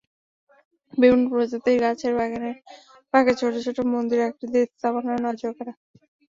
বিভিন্ন প্রজাতির গাছের বাগানের ফাঁকে ছোট ছোট মন্দির আকৃতির স্থাপনা নজরকাড়া।